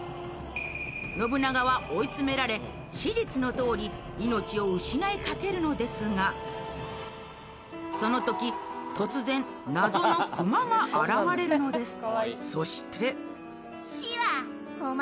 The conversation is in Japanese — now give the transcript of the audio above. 信長は追い詰められ史実のとおり命を失いかけるのですがそのとき、突然、謎のクマが現れるのです。